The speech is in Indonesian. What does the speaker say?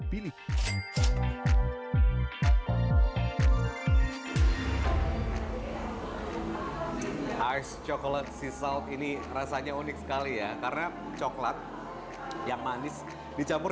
pilih ice coklat seaseld ini rasanya unik sekali ya karena coklat yang manis dicampur